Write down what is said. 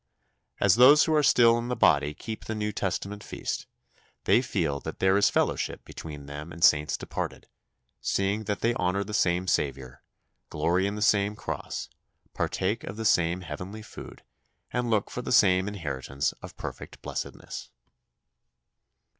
As those who are still in the body keep the New Testament feast, they feel that there is fellowship between them and saints departed, seeing that they honour the same Saviour, glory in the same cross, partake of the same heavenly food, and look for the same inheritance of perfect blessedness.